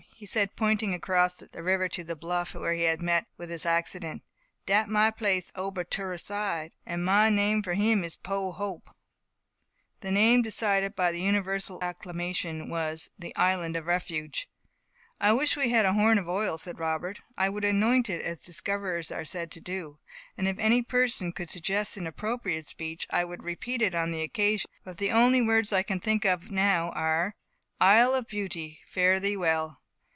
He said, pointing across the river to the bluff, where he had met with his accident, "Dat my place, obe' turrah side;[#] and my name for him is Poor Hope." [#] That is my place, over the other side. The name decided by universal acclamation, was THE ISLAND OF REFUGE. "I wish we had a horn of oil," said Robert, "I would anoint it, as discoverers are said to do. And if any person could suggest an appropriate speech I would repeat it on the occasion; but the only words I can think of now are, 'Isle of Beauty, fare thee well!